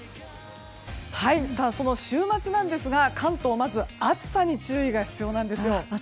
その週末ですが関東、まずは暑さに注意が必要です。